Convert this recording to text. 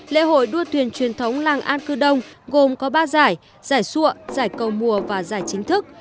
lễ hội đua thuyền truyền thống làng an cư đông gồm có ba giải giải cầu mùa và giải chính thức